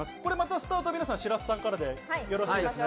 スタートは白洲さんからでよろしいですね？